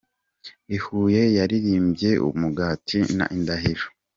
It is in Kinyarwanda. I Huye yaririmbye ’Umugati’ na ’Indahiro’.